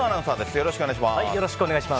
よろしくお願いします。